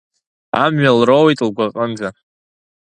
Амҩа лроуит лгәаҟынӡа.